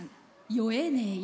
「酔えねぇよ！」。